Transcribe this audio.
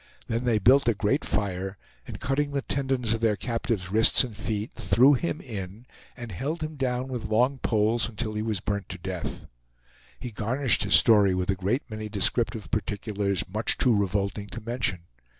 Then they built a great fire, and cutting the tendons of their captive's wrists and feet, threw him in, and held him down with long poles until he was burnt to death. He garnished his story with a great many descriptive particulars much too revolting to mention.